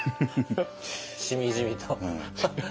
しみじみと。